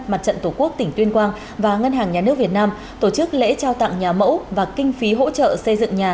mặt trận tổ quốc tỉnh tuyên quang và ngân hàng nhà nước việt nam tổ chức lễ trao tặng nhà mẫu và kinh phí hỗ trợ xây dựng nhà